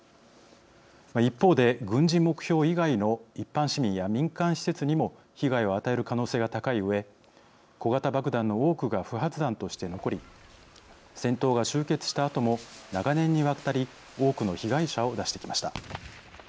一方で、軍事目標以外の一般市民や民間施設にも被害を与える可能性が高いうえ小型爆弾の多くが不発弾として残り戦闘が終結したあとも長年にわたり多くの被害者を出してきました。